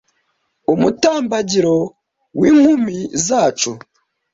umutambagiro w'inkumi zacu